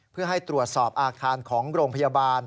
เพื่อให้ตรวจสอบอาคารของโรงพยาบาล